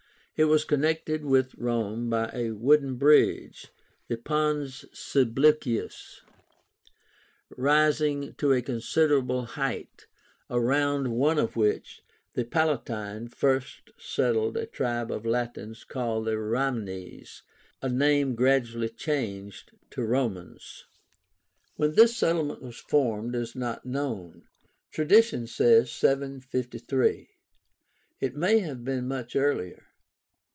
It was connected with Rome by a wooden bridge (Pons Sublicius).) rising to a considerable height, around one of which, the PALATINE, first settled a tribe of Latins called RAMNES, a name gradually changed to ROMANS. When this settlement was formed is not known. Tradition says in 753. It may have been much earlier.